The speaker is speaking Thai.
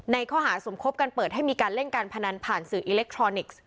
ในข้อหาสมคบกันเปิดให้มีการเล่นการพนันผ่านสื่ออิเล็กทรอนิกส์